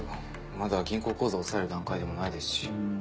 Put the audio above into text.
まだ銀行口座を押さえる段階でもないですし。